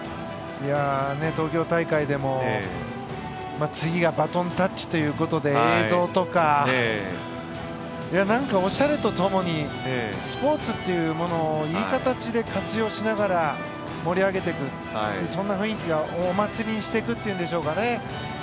東京大会でも次がバトンタッチということで映像とかなんか、おしゃれとともにスポーツっていうものをいい形で活用しながら盛り上げていくそんな雰囲気をお祭りにしていくというんでしょうかね